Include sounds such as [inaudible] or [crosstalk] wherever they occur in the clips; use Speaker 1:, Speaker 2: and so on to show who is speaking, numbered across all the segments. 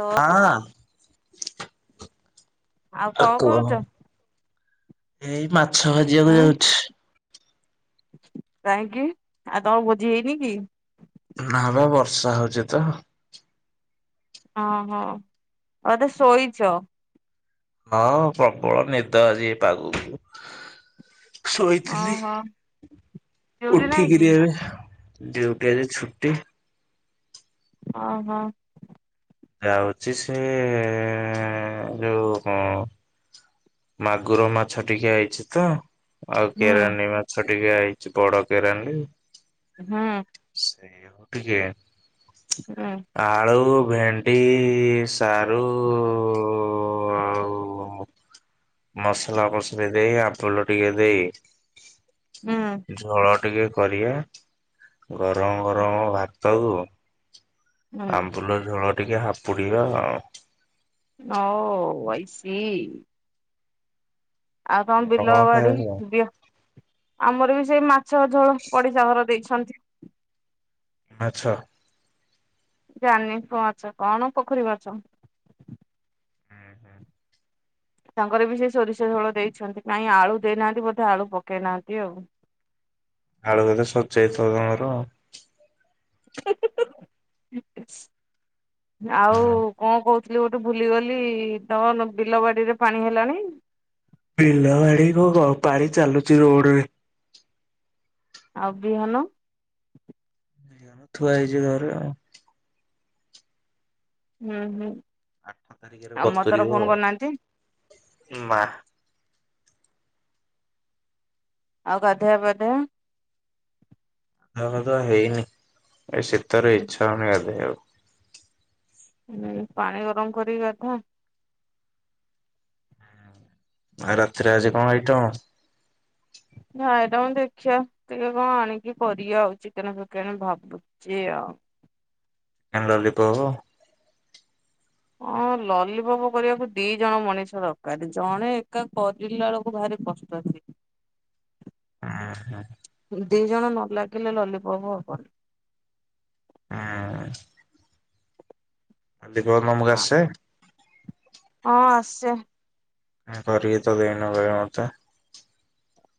Speaker 1: ଲୋ
Speaker 2: ହଁ।
Speaker 1: ଆଉ କଣ
Speaker 2: କୁହ
Speaker 1: କରୁଚ?
Speaker 2: ଏଇ ମାଛ ଭାଜିବାକୁ
Speaker 1: ହୁଁ
Speaker 2: ଯାଉଚି।
Speaker 1: କାହିଁକି ଆଉ ତମ ଭୋଜି ହେଇନି କି?
Speaker 2: ନାଁ ବା ବର୍ଷା ହଉଚିତ।
Speaker 1: ଓହୋ ଆଉ ଏବେ ଶୋଇଚ?
Speaker 2: ନାଁମ ପ୍ରବଳ ନିଦ ଆଜି ଏ ପାଗକୁ। ଶୋଇଥିଲି
Speaker 1: ଓହୋ ଡ୍ୟୁଟି ନାଇଁ କି?
Speaker 2: ଉଠିକିରି ଏ ଡିୟୁଟି ଆଜି ଛୁଟି।
Speaker 1: ଓହୋ।
Speaker 2: ଯାଉଛି ସେ ଯୋଉ କଣ ମାଗୁର ମାଛ ଟିକେ ଆଇଚିତ ଆଉ
Speaker 1: ହୁଁ
Speaker 2: କେରାଣ୍ତି ମାଛ ଟିକେ ଆଇଚି ବଡ଼ କେରାଣ୍ଡି।
Speaker 1: ହଁ।
Speaker 2: ସେଇଆ କୁ ଟିକେ
Speaker 1: ରା
Speaker 2: ଆଳୁ ଭେଣ୍ଡି ସାରୁ କୁ ମସଲା ଫସଲା ଦେଇ ଆମ୍ବୁଲ ଟିକେ ଦେଇ
Speaker 1: ହୁଁ।
Speaker 2: ଝୋଳ ଟିକେ କରିବା ଗରମ ଗରମ ଭାତକୁୁ
Speaker 1: ହୁଁ
Speaker 2: ଆମ୍ବୁଲ ଝୋଳ ଟିକେ ହାପୁଡ଼ିବା ଆଉ।
Speaker 1: Oh I see. ଆଉ କଣ
Speaker 2: ତମର
Speaker 1: ବିଲବାଡି
Speaker 2: ଖାଇବାକୁ?
Speaker 1: ବିଅ ଆମର ବି ସେଇ ମାଛ ଝୋଳ ପଡିଶା ଘର ଦେଇଛନ୍ତି।
Speaker 2: ମାଛ।
Speaker 1: ଜାଣିନି କୋଉ ମାଛ କଣ ପୋଖରୀ ମାଛ।
Speaker 2: ହୁଁ ହୁଁ।
Speaker 1: ତାଙ୍କର ବି ସେଇ ସୋରିଷ ଝୋଳ ଦେଇଛନ୍ତି କାଇଁ ଆଳୁ ଦେଇନାହାନ୍ତି ବୋଧେ ଆଳୁ ପକେଇନାହାନ୍ତି ଆଉ।
Speaker 2: ଆଳୁ ବୋଧେ ସରିଯାଇଥିବ ତାଙ୍କର।
Speaker 1: ଆଉ କଣ କୋହୁଥିଲି ଗୋଟେ ଭୁଲିଗଲି ତନ ବିଲ ବାଡିରେ ପାଣି ହେଲାଣି?
Speaker 2: ବିଲ ବାଡି ପାଣିରୁ ଘ ପାଣି ଚାଲୁଚି ରୋଡରେ।
Speaker 1: ଆଉ ବିହନ?
Speaker 2: ଥୁଆହେଇଚି ଘରେ ଆଉ।
Speaker 1: ହୁଁ ହୁଁ
Speaker 2: ଆଠ ତାରିଖରେ
Speaker 1: ଆଉ ମଦନ
Speaker 2: ବତୁରିବ
Speaker 1: ଫୋନ
Speaker 2: ଆଉ।
Speaker 1: କରିନାହାଁନ୍ତି?
Speaker 2: ମା
Speaker 1: ଆଉ ଗାଧୁଆ ପାଧୁଆ?
Speaker 2: ଗାଧୁଆ ପାଧୁଆ ହେଇନି ଏ ଶୀତରେ ଇଚ୍ଛା ହୋଉନି ଗାଧେଇବାକୁ।
Speaker 1: ଉଁ ପାଣି ଗରମ କରିକି ଗାଧାଅ।
Speaker 2: ଆ ରାତିରେ ଆଜି କଣ ଆଇଟମ?
Speaker 1: ନା ଏଇଟା ମୁଁ ଦେଖିଆ ଟିକେ କଣ ଆଣିକି କରିଆ ଆଉ ଚିକେନ ଫିକେନ ଭାବୁ ଚି ଆଉ।
Speaker 2: କେନ୍ ଲଲିପପ
Speaker 1: ହଁ ଲଲିପପ କରିବାକୁ ଦିଇଜଣ ମଣିଷ ଦରକାରେ ଜଣେ ଏକା କରିଲା ବେଳକୁ ଭାରି କଷ୍ ବାସି
Speaker 2: ଉଁହୁଁ।
Speaker 1: ଦିଇଜଣ ନ ଲାଗିଲେ ଲଲିପପ ହବନି।
Speaker 2: ଉଁ। ତମକୁ
Speaker 1: ଆ
Speaker 2: ଆସେ?
Speaker 1: ହଁ ଆସେ।
Speaker 2: କାଇଁ କରିକି ତ ଦେଇନ କେବେ ମତେ।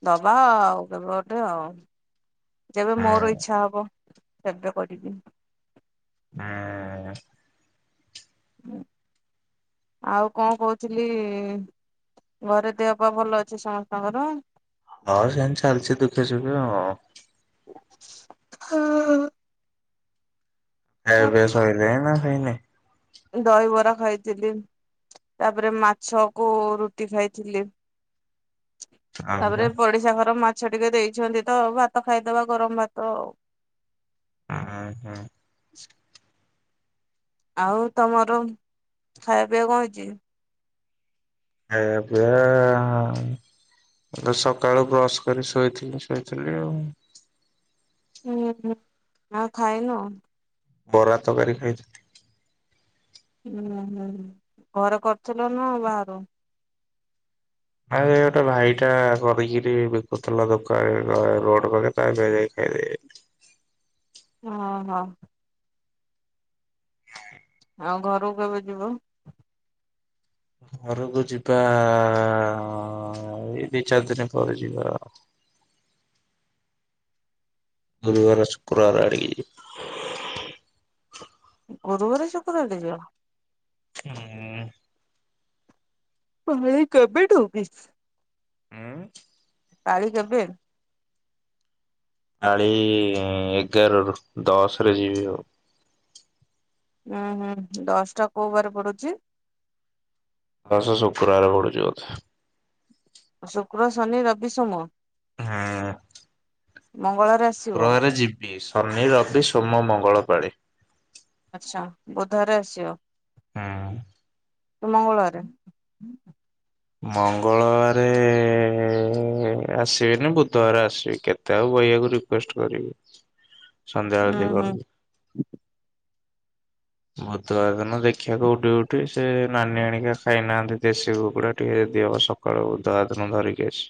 Speaker 1: ଦବା ଆଉ କେବେ ଗୋଟେ ଆଉ ଯେବେ
Speaker 2: ମତେ।
Speaker 1: ମୋର ଇଚ୍ଛା ହବ। ସେବେ କରିିବି।
Speaker 2: ହୁଁ।
Speaker 1: ଆଉ କଣ କହୁଥିଲି ଘରେ ଦେହପାଆ ଭଲ ଅଛି ସମସ୍ତଙ୍କର?
Speaker 2: ହଁ ସେମତି ଚାଲଚି ଦୁଃଖେ ସୁଖେ ଆଉ
Speaker 1: ହଁ।
Speaker 2: ଖାଇବା ପିଇବା ଶଇଲାଣି ନା ହେଇନେଇ?
Speaker 1: ଦହିବରା ଖାଇଥିଲି ତାପରେ ମାଛକୁ ରୁଟି ଖାଇଥିଲି।
Speaker 2: ଓହୋ ଓହୋ
Speaker 1: ତାପରେ ପଡିଶା ଘର ମା ମାଛ ଟିକେ ଦେଇଛନ୍ତି ତ ଭାତ ଖାଇଦବା ଗରମ ଭାତ ଆଉ।
Speaker 2: ଅଁହଁ।
Speaker 1: ଆଉ ତମର ଖାଇବା ପିଇବା କଣ ହେଇଚି?
Speaker 2: ଖାଇବା ପିଇବା ଏବେ ସକାଳୁ ବ୍ରଶ କରି ଶୋଇଥିଲି ଶୋଇଥିଲି ଆଉ।
Speaker 1: ଓହୋ ଆଉ ଖାଇନ?
Speaker 2: ବରା ତକାରୀ ଖାଇଥି
Speaker 1: ଉଁହୁଁ ଘର କରୁଥିଲ ନା ବାହାରୁ?
Speaker 2: ଆ ଏ ଗୋଟେ ଭାଇଟା କରିକିରି ବି ବିକୁଥିଲା ଦୋକା ଏ ଘ ରୋଡ ପାଖରେ ତାଆରି ପାଖରେ ଯାଇ ଖାଇଦେଇ ଆଇଲି।
Speaker 1: ଓହୋ। ଆଉ ଘରକୁ କେବେ ଯିବ?
Speaker 2: ଘରକୁ ଯିବା ଆ ଏଇ ଦିଇଚାରି ଦିନ ପରେ ଯିବା ଆଉ। ଗୁରୁବାର ଶୁକ୍ରବାର ଆଡ଼ିକି।
Speaker 1: ଗୁରୁବର ଚୋକଟେ ଅ।
Speaker 2: ହୁଁ।
Speaker 1: ହଇ କବେିଟ ହ ବି [unintelligible]
Speaker 2: ହୁଁ।
Speaker 1: ପାଳି କେବେ?
Speaker 2: କାଳି ଏଗାରରୁ ଦଶରେ ଯିବି ଆଉ।
Speaker 1: ହୁଁ ହୁଁ ଦଶଟା କୋଉ ବାର ପଡୁଛି?
Speaker 2: ହସ ଶୁକ୍ରବାରେ ପଡୁଛିିବଧେ।
Speaker 1: ଶୁକ୍ର ଶନି ରବି ସୋମ
Speaker 2: ହୁଁ
Speaker 1: ମଙ୍ଗଳରେ ଆସିବ।
Speaker 2: ବି ଶନି ରବି ସୋମ ମଙ୍ଗଳ ପାଳେ।
Speaker 1: ଆଚ୍ଛା ବୁଧବାରେ ଆସିବ।
Speaker 2: ହଁ।
Speaker 1: ମଙ୍ଗଳବାର।
Speaker 2: ମଙ୍ଗଳବାରେ ଆସିବେନି ବୁଧବାର ଆସିବି କେତେ ଆଉ ବହିଆକୁ ରିକେଷ୍ଟ କରିବି। ସନ୍ଧ୍ୟାବେଳେ
Speaker 1: ଉୁଁ
Speaker 2: ଦେଇ
Speaker 1: ହୁଁ
Speaker 2: କରୁଛୁ। ବୁଧବାର ଦିନ ଦେଖିବାକୁ ଉଠି ଉଠି ସେ ନାନୀ ଆଣିକି ଖାଇନାହାନ୍ତି ଦେଶୀ କୁକୁଡା ଟିକେ ଦେଅ ସକ୍। କଳ ଉଦା ଦନ ଧରିକି ଆସି।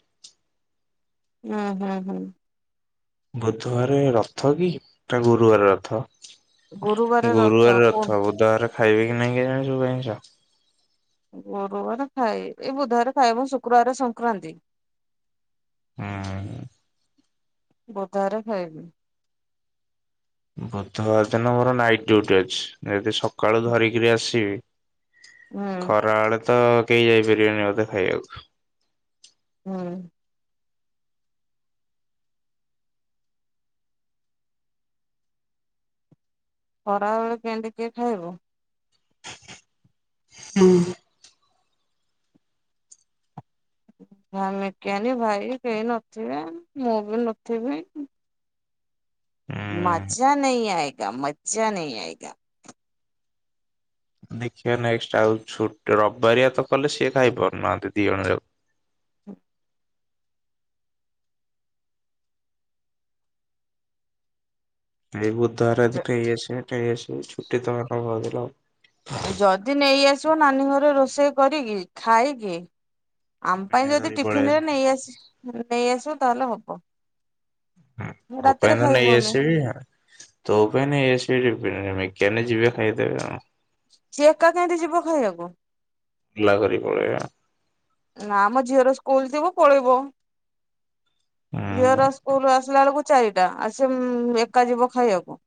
Speaker 1: ହୁଁ ହୁଁ ହୁଁ।
Speaker 2: ବୁଧବାର ରଥ କି ତା ଗୁରୁବାର ରଥ।
Speaker 1: ଗୁରୁବାର
Speaker 2: ଗୁରୁବାର
Speaker 1: କୋଉ
Speaker 2: ରଥ ବୁଧବରେ ଖାଇବେ କି ନାଇଁ କି ଜାଣ ସବୁ ଆଇସ।
Speaker 1: ଗୁରୁବାର ଖାଇଏ ଏଇ ବୁଧବାର ଖାଇଏ ଏବଂ ଶୁକ୍ରବାର ସଂକ୍ରାନ୍ତି।
Speaker 2: ହଁ।
Speaker 1: ବଧାରେ ଖାଇବି।
Speaker 2: ବୁଧବାର ଦିନ ମୋର ନାଇଟ୍ ଡଟି ଅଛି ଯଦି ସକାଳୁ ଧରିକିରି ଆସିବି
Speaker 1: ହୁଁ
Speaker 2: ଖରା ବେଳେ ତ କେହି ଯାଇ ପାରିବେନି ବୋଧେ ଖାଇବାକୁ।
Speaker 1: ହୁଁ। ଖରା ବେଳେ କେଣ କିଏ ଖାଇବ?
Speaker 2: ହଁ [unintelligible]
Speaker 1: ଭାମିକିନି ଭାଇ କେହି ନଥିବେ ମୁଁ ବି ନଥିବି।
Speaker 2: ହୁଁ
Speaker 1: ମଜା ନଁ ଆଏଗ ମଜା ନ ଆଏଗ।
Speaker 2: ଦେଖିବା ନେକ୍ଟ ଆଉ ଛଟ ରବିବାରିଆ ତ କଲେ ସିଏ ଖାଇପାରୁନାହାନ୍ତି ଦି ଜଣ ଯାକ।
Speaker 1: ହୁଁ।
Speaker 2: ଏଇ ବୁଧବାରଦି ଟାଇ ଆସିବ ଟାଇ ଆସିବ ଛୁଟି ତଥିଲା।
Speaker 1: ଯଦି ନେଇଆସିବ ନାନୀ ଘରେ ରୋଷେଇ କରିକି ଖାଇକି ଆମ ପାଇଁ
Speaker 2: ଟିଫିନ
Speaker 1: ଯଦି
Speaker 2: ଧରି ପଳେଇ
Speaker 1: ଟିଫିନ ରେ
Speaker 2: ଆସିବି
Speaker 1: ନେଇ ଆସ ନେଇ ଆସିବ ତାହେଲେ ହବ। ରାତିରେ
Speaker 2: ଭପାଇନ୍ଦ
Speaker 1: ଖାଇବୁ
Speaker 2: ନାଇଁ
Speaker 1: ଆମେ
Speaker 2: ଏସି ବି ତୋ ପାଇଁ ନେଇ ଆସିବି ଟିଫିନି ରେ ମିକାନେ ଯିବେ ଖାଇଦେବେ ଆ।
Speaker 1: ସିଏ ଏକା କେମିତି ଯିବ ଖାଇବାକୁ?
Speaker 2: ଓଲା କରି ପଳେଇବେ।
Speaker 1: ନା ଆମ ଝିଅର ସ୍କୁଲ ଯଥିବୁ ପଳେଇବ ଝିଅର
Speaker 2: ହୁଁ
Speaker 1: ସ୍କୁଲ ଆସିଲା ବେଳକୁ ଚାରିଟା ଆ ସେ ଏକା ଯିବ ଖାଇବାକୁ।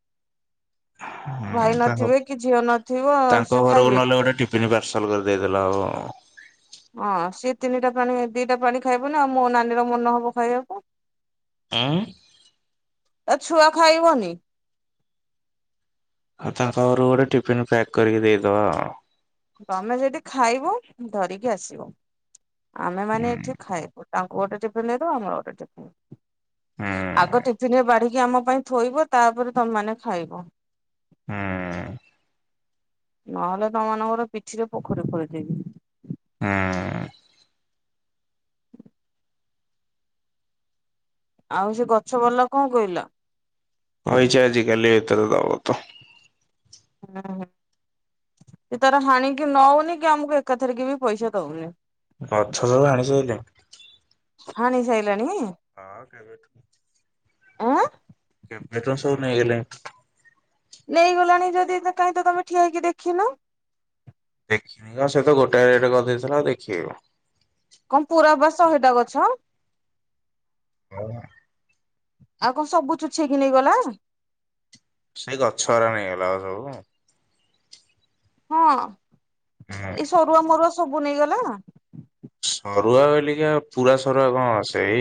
Speaker 1: ଭାଇ
Speaker 2: ହୁଁ ତାଙ୍କ
Speaker 1: ନଥିବେ କି ଝିଅ ନଥିବ
Speaker 2: ତାଙ୍କ
Speaker 1: ସେ
Speaker 2: ଘରକୁ
Speaker 1: ଖାଇବେ
Speaker 2: ନହେଲେ
Speaker 1: କି?
Speaker 2: ଗୋଟେ ପାର୍ସଲ କରିଦେଇଦେଲେ ହବ।
Speaker 1: ହଁ ସିଏ ତିନିଟା ପାଣି ଦିଟା ପାଣି ଖାଇବନି ଆଉ ମୋ ନାନୀର ମନ ହବ ଖାଇବାକୁ।
Speaker 2: ଉଁ।
Speaker 1: ଆ ଛୁଆ ଖାଇବନି।
Speaker 2: ଆଉ ତା ପାଖରୁ ଗୋଟେ ଟିଫିିନ ପ୍ୟାକ୍ କରିକି ଦେଇଦବା ଆଉ।
Speaker 1: ତମେ ଯଦି ଖାଇବ ଧରିକି ଆସିବ ଆମେ ମାନ
Speaker 2: ହୁଁ
Speaker 1: ଏଠି ଖାଇବୁ। ତାଙ୍କୁ ଗୋଟେ ଟିଫିନ ଦେଇଦବ ଆମର ଗୋଟେ ଟିଫିନ ଆଗ
Speaker 2: ହୁଁ
Speaker 1: ଟିଫିନ ରେ ବାଢିକି କି ଆମ ପାଇଁ ଥୋଇବ ତାପରେ ତମେମାନେ ଖାଇବ।
Speaker 2: [unintelligible] ହ୍ନୁଏଁ।
Speaker 1: ନହେଲେ ତମ ମାନଙ୍କର ପିଠିରେ ପୋଖରୀ ଖୋଳି ଦେବି।
Speaker 2: [unintelligible] ହେଁ।
Speaker 1: ଆଉ ସେ ଗଛ ବାଲା କଣ କହିଲା।
Speaker 2: କହିଛି ଆଜି କାଲି ଭିତରେ ଦବ ତ।
Speaker 1: ହୁଁ ସେ ତାର ହାଣିକି ନଉନି କି ଆମକୁ ଏକାଥରିକି ବି ପଇସା ଦଉନି।
Speaker 2: ଗଛ ସବୁ ହାଣି ସାଇଲେଣି
Speaker 1: ହାଣି ସାଇଲାଣି
Speaker 2: ହଁ କେବେଠୁ।
Speaker 1: ଆଁ
Speaker 2: ଏବେ ତ ସବୁ ନେଇଗଲେ
Speaker 1: ନେଇଗଲାଣି ଯଦି କାହିଁ ତମେ ଠିଆହେଇକି ଦେଖିନ।
Speaker 2: ଦେଖିନି କଣ ସେ ତ ଗୋଟେ ରେଟ୍ କରିଦେଇଥିଲା ଦେଖେବି କଣ।
Speaker 1: କଣ ପୁର ବା ସହେଟା ଗଛ।
Speaker 2: ହ ପା।
Speaker 1: ଆଉ କଣ ସବୁ ଚଛେଇକି ନେଇ ଗଲା।
Speaker 2: ସେଇ ଗଛ ଉରା ନେଇଗଲା ବା ସବୁ।
Speaker 1: ହଁ
Speaker 2: ହୁଁ
Speaker 1: ଏଇ ସରୁଆ ମରୁଆ ସବୁ ନେଇଗଲା
Speaker 2: ସରୁଆ ବୋଲିକି ଆଉ ପୁରା ସରୁଆ କଣ ସେଇ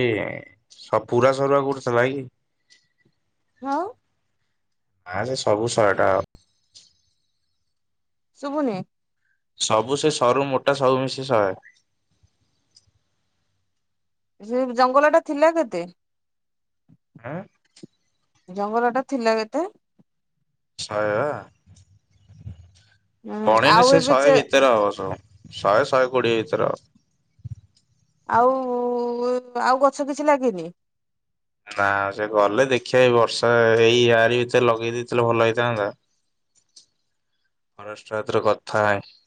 Speaker 2: ସ ପୁରା ସରୁଆ କଉଠି ଥିଲା କି।
Speaker 1: ଆଉ।
Speaker 2: ନାଁ ସେ ସବୁ ଶହେ ଟା ହବ।
Speaker 1: ଶୁଭୁନି।
Speaker 2: ସବୁ ସେ ସରୁ ମୋଟା ସବୁ ମିଶି ଶହେ।
Speaker 1: ସେ ଜଙ୍ଗଲ ଟା ଥିଲା କେତେ।
Speaker 2: ଆଁ।
Speaker 1: ଜଙ୍ଗଲ ଟା ଥିଲା କେତେ?
Speaker 2: ଶହେ ବା।
Speaker 1: ଉଁ
Speaker 2: ଗଣିଲେ
Speaker 1: ଆଉ
Speaker 2: ସେ
Speaker 1: ଏବେ
Speaker 2: ଶହେ
Speaker 1: ଚେ
Speaker 2: ଭିତରେ ହବ ସବୁ ଶହେ ଶହେ କୋଡିଏ ଭିତରେ ହବ।
Speaker 1: ଆଉ ଆଉ ଗଛ କିଛି ଲାଗିନି।
Speaker 2: ନା ସେ ଗଲେ ଦେଖିବା ଏ ବର୍ଷା ଏଇ ଆାରୀ ଭିତରେ ଲଗେଇ ଦେଇେଇଥିଲେ ଭଲ ହେଇଥାନ୍ତା। ହରାଷ୍ଟାତରେ କଥା [unintelligible]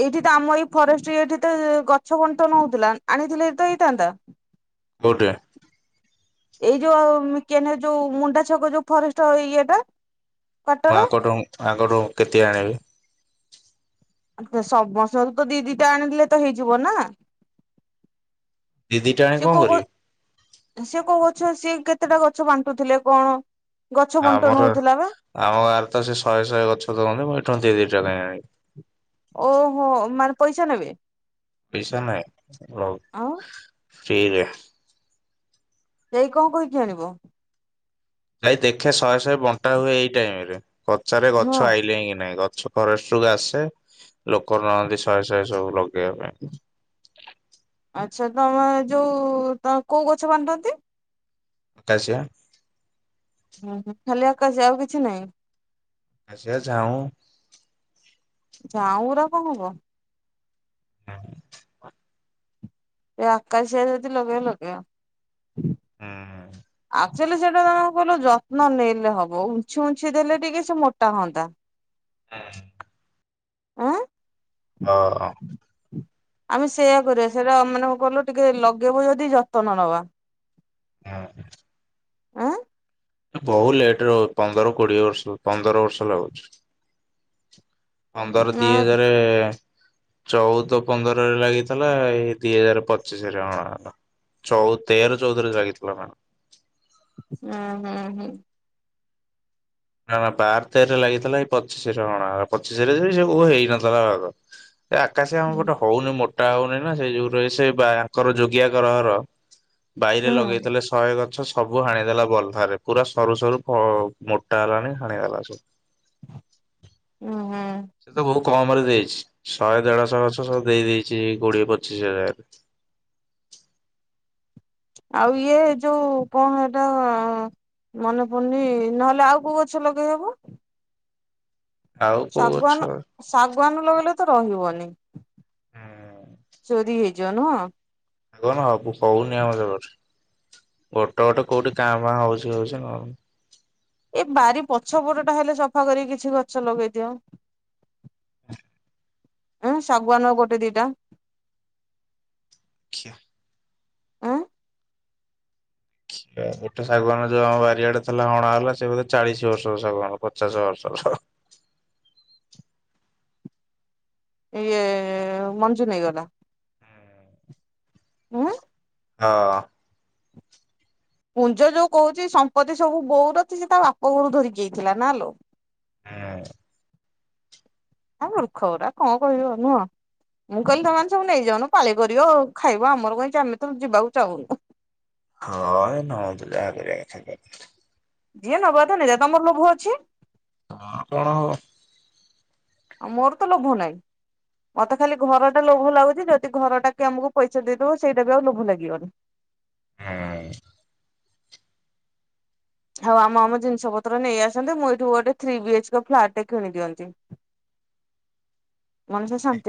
Speaker 1: ଏଇଠି ତ ଆମ ଏଇ ଫରେଷ୍ଟ ଏଇଠି ତ ଗଛ ବଣ୍ଟନ ହୋଉଥିଲା ଆଣିଥିଲେ ତ ହେଇଥାନ୍ତା।
Speaker 2: କୋଉଟି।
Speaker 1: ଏଇ ଯୋଉ କେନ ଯୋଉ ମୁଣ୍ଡା ଛକ ଯୋଉ ଫରେଷ୍ଟ ଇଏଟା
Speaker 2: ମୁଁ
Speaker 1: କ୍ଵାଟର
Speaker 2: ଆଙ୍କଠୁ ଆଙ୍କଠୁ କେତେ ଆଣିବି?
Speaker 1: ସମସ୍ତ ଘରୁ ତ ଦି ଦିଟା ଆଣିଲେ ତ ହେଇଯିବ ନା
Speaker 2: ଦି ଦିଟା ଆଣି
Speaker 1: ସେ
Speaker 2: କଣ
Speaker 1: କୋଉ।
Speaker 2: କରିବି
Speaker 1: ଶିଏ କୋଉ ଗଛ ସିଏ କେତେଟା ଗଛ ବାଣ୍ଟୁଥିଲେ କଣ? ଗଛ ବଣ୍ଟନ
Speaker 2: ଆମର
Speaker 1: ହଉଥିଲା ବା
Speaker 2: ଆମ ଗାଁରେ ତ ସେ ଶହେ ଶହେ ଗଛ ଦଉନି ମୁଁ ଏଇଠୁ ଦି ଦି ଟା ଆଣିବି।
Speaker 1: ଓହୋ ମାନେ ପଇସା ନେବେ।
Speaker 2: ପଇସା ନାହି ରହୁ
Speaker 1: ଆଉ।
Speaker 2: ଫ୍ରିରେ।
Speaker 1: ଦେଇ କଣ କହିକି ଆଣିବ।
Speaker 2: ଭାଇ ଦେଖେ ଶହେ ଶହେ ବଣ୍ଟା ହୁଏ ଏଇ ଟାଇମ ରେ ପଚାରେ
Speaker 1: ହଁ
Speaker 2: ଗଛ ଆଇଲେଣି କି ନାଇଁ ଗଛ ଫରେଷ୍ଟ କୁ ଆସେ ଲୋକ ନଅନ୍ତି ଶହେ ଶହେ ସବୁ ଲଗେଇବା ପାଇଁ।
Speaker 1: ଆଛା ତମେ ଯୋଉ ତ କୋଉ ଗଛ ବାଣ୍ଟନ୍ତି?
Speaker 2: ଆକାଶୀୟା।
Speaker 1: ହୁଁ ହୁଁ ଖାଲି ଆକାଶଆ ଆଉ କିଛି ନାଇଁ।
Speaker 2: ଆକାଶୀଆ ଝାଉଁ
Speaker 1: ଝାଉଁ ଉରା କଣ ହବ।
Speaker 2: ହୁଁ।
Speaker 1: ଏ ଆକାସିଆ ଯଦି ଲଗେଇବା ଲଗେଇବ।
Speaker 2: ହୁଁ।
Speaker 1: ଆକ୍ଚୁଆଲି ସେଇଟା ତମର କଣ କହିଲ, ଯତ୍ନ ନେଲେ ହବ ଉଁଛିି ଉଁଛିି ଦେଲେ ଟିକେ ସେ ମୋଟା ହୁଅନ୍ତା।
Speaker 2: ହଁ।
Speaker 1: ଆଁ
Speaker 2: ହଁ।
Speaker 1: ଆମେ ସେଇୟା କରିବା, ସେଇଟା ମାନେ କଣ କଇଲୁ ଟିକେ ଲଗେଇବୁ ଯଦି ଯତ୍ନ ନବା।
Speaker 2: ହୁଁ।
Speaker 1: ଆଁ
Speaker 2: ବହୁତ ଲେଟ୍ ରେ ହଉ, ପନ୍ଦର କୋଡିଏ ବର୍ଷ ପନ୍ଦର ବର୍ଷ ଲାଗୁଛି। ପନ୍ଦର
Speaker 1: ନା
Speaker 2: ଦି ହଜାରେ ଚଉଦ ପନ୍ଦରରେ ଲାଗିଥିଲା, ଏଇ ଦି ହଜାର ପଚିଶରେ ହଣାହେଲା। ଚଉ ତେର ଚଉଦରେ ଲାଗିଥିଲା ନା କଣ?
Speaker 1: ହୁଁ- ହୁଁ- ହୁଁ।
Speaker 2: ନା ନା ବାର ତେରରେ ଲାଗିଥିଲା, ଏଇ ପଚିଶରେ ହଣା ହେଲା। ପଚିଶିରେ ସେ କୋଉ ହେଇନଥିଲା ବାଗ। ସେ ଆକାଶୀଆ କଣ ଗୋଟେ ହଉନି ମୋଟା ହଉନି ନା, ସେଇ ଯୋଗୁରୁ ଏ ସେ ବା ଆଙ୍କର ଯୋଗିଆ ଘର ଆମର ବାଇରେ
Speaker 1: ହୁଁ
Speaker 2: ଲଗେଇଥିଲେ ଶହେ ଗଛ, ସବୁ ହାଣିଦେଲା ବଲ୍ ଧାରେ। ପୁରା ସରୁ ସରୁ ଫ ମୋ ମୋଟା ହେଲାନି ହାଣିଦେଲା ସବୁ।
Speaker 1: ଉଁ- ହୁଁ।
Speaker 2: ସେ ତ ବହୁ କମ୍ ରେ ଦେଇଛି ଶହେ ଦେଢଶହ ଗଛ, ସବୁ ଦେଇ ଦେଇଛି କୋଡିଏ ପଚିଶ ହଜାରରେ।
Speaker 1: ଆଉ ଇଏ ଯୋଉ କଣ ହେଇଟା ମନେ ପଡୁନି, ନହେଲେ ଆଉ କୋଉ ଗଛ ଲଗେଇ ହବ?
Speaker 2: ଆଉ କୋଉ ଗଛ
Speaker 1: ଶାଗୁଆନ,
Speaker 2: ହୁଁ
Speaker 1: ଶାଗୁଆନ ଲଗେଇଲେ ତ ରହିବନି ଚୋରି ହେଇ ଯିବ ନୁହଁ।
Speaker 2: ଶାଗୁଆନ [unintelligible] ହଉନି ଆମ ଜାଗାରେ, ଗୋଟେ ଗୋଟେ କୋଉଠି କାଁ ଭାଁ ହଉଛି ହଉଛି ନ
Speaker 1: ଏ ବାରି ପଛ ପଟଟା ହେଲେ ସଫା କରିକି କିଛି ଗଛ ଲଗେଇଦିଅ। ଉଁ ଶାଗୁଆନ ଗୋଟେ ଦିଟା।
Speaker 2: ଦେଖିଆ।
Speaker 1: ଉଁ
Speaker 2: ଗୋଟେ ଶାଗୁଆନ୍ ଯୋଉ ଆମ ବାରିଆଡେ ଥିଲା ହଣା ହେଲା, ସେ ବୋଧେ ଚାଳିଶ ବର୍ଷର ଶାଗୁଆନ୍ ପଚାଶ ବର୍ଷର।
Speaker 1: ଇଏ ମଞ୍ଜୁ ନେଇଗଲା?
Speaker 2: ହଁ।
Speaker 1: ପୁଞ୍ଜ ଯୋଉ କହୁଛି ସମ୍ପତ୍ତି ସବୁ ବୋଉର, ସେ ତା ବାପ ଘୋରୁ ଧରିକି ଆଇଥିଲା ନା ଲୋ।
Speaker 2: ହଁ।
Speaker 1: ଆ ମୂର୍ଖ ଗୁରା କଣ କହିବ ନୁହଁ? ମୁଁ କହିଲି ତମମାନେ ସବୁ ନେଇଯାଉନ ପାଳି କରିବ, ଆଉ ଖାଇବ ଆମର କଣ ଆମେ ତ ଯିବାକୁ ଚାହୁଁନୁ।
Speaker 2: ହଁ ଏ ନ ଦେଲେ ଆଗରେ ଯାଇ ଖାଇକି [unintelligible]
Speaker 1: ଯିଏ ନବା କଥା ନେଇ ଯା, ତମର ଲୋଭ ଅଛି?
Speaker 2: ହଁ କଣ ହବ?
Speaker 1: ଆଉ ମୋର ତ ଲୋଭ ନାହିଁ। ମତେ ଖାଲି ଘର ଟା ଲୋଭ ଲାଗୁଛି, ଯଦି ଘରଟା କିଏ ଆମକୁ ପଇସା ଦେଇଦବ ସେଇଟା ବି ଆଉ ଲୋଭ ଲାଗିବନି।
Speaker 2: ହୁଁ।
Speaker 1: ହଁ ଆମ ଆମ ଜିନିଷ ପତ୍ର ନେଇ ଆସନ୍ତୁ, ମୁଁ ଏଠୁ ଗୋଟେ three B H K flat ଟେ କିଣିଦିଅନ୍ତି। ମଣିଷ ଶାନ୍ତି